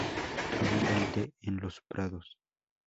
Abundante en los prados.